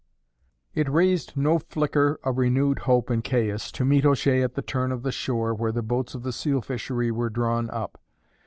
It raised no flicker of renewed hope in Caius to meet O'Shea at the turn of the shore where the boats of the seal fishery were drawn up.